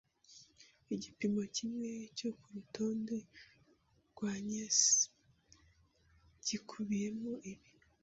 Igipimo kimwe cyo kurutonde rwa NYSE gikubiyemo ibi